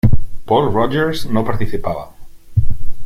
Paul Rodgers no participaba.